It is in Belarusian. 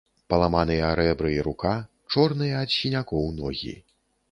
Паламаныя рэбры і рука, чорныя ад сінякоў ногі.